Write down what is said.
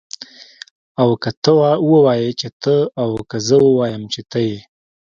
او که ته ووايي چې ته او که زه ووایم چه ته يې